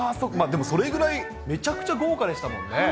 でもそれぐらい、めちゃくちゃ豪華でしたもんね。